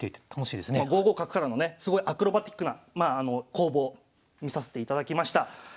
５五角からのねすごいアクロバティックな攻防見させていただきました。